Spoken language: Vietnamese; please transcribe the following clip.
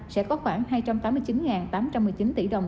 sẽ có khoảng hai trăm tám mươi chín tám trăm một mươi chín tỷ đồng